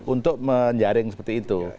untuk menjaring seperti itu